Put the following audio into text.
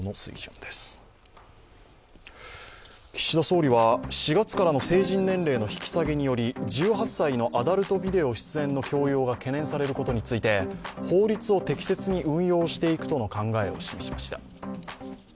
岸田総理は４月からの成人年齢の引き下げにより、１８歳のアダルトビデオ出演の強要が懸念されることについて法律を適切に運用していくとの考えを示しました。